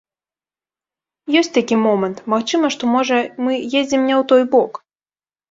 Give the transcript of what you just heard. Ёсць такі момант, магчыма, што, можа, мы ездзім не ў той бок.